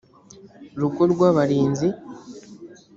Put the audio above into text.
rugo rw abarinzi